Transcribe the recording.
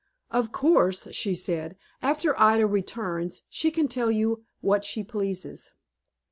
"Of course," she said, "after Ida returns, she can tell you what she pleases.